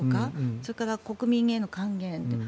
それから国民への還元と。